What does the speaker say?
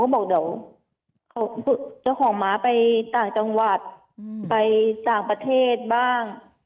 เขาบอกรอคำตอบนายเขา